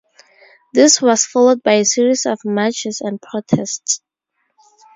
This was followed by a series of marches and protests.